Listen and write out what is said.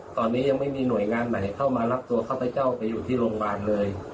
ตอนนี้ยังไม่มีหน่วยงานไหนเข้ามารับตัวข้าพเจ้าไปอยู่ที่โรงพยาบาลเลย